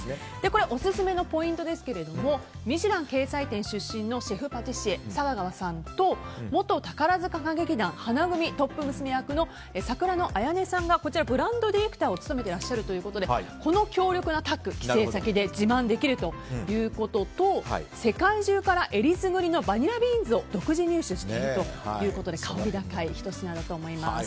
オススメのポイントですけれども「ミシュラン」掲載店出身のシェフパティシエの佐川さんと花組トップ娘役の桜乃彩音さんがブランドディレクターを務めていらっしゃるということでこの強力なタッグ帰省先で自慢できるということと世界中からえりすぐりのバニラビーンズを独自入手しているということで香り高いひと品だと思います。